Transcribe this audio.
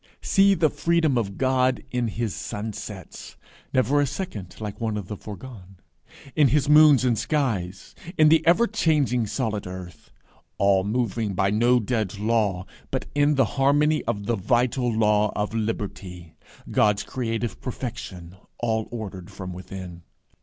See the freedom of God in his sunsets never a second like one of the foregone! in his moons and skies in the ever changing solid earth! all moving by no dead law, but in the harmony of the vital law of liberty, God's creative perfection all ordered from within.